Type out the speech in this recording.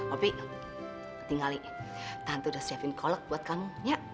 opi penting ali tante udah siapin kolek buat kamu ya